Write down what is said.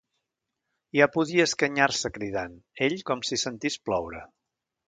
Ja podia escanyar-se cridant: ell com si sentís ploure.